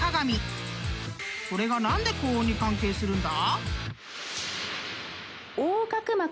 ［これが何で高音に関係するんだ？］